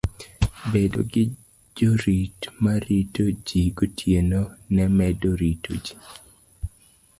Bedo gi jorit ma rito ji gotieno ne medo rito ji.